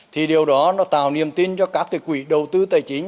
thì điều đó tạo niềm tin cho các quỹ đầu tư tài chính